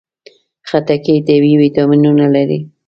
خټکی طبیعي ویټامینونه لري.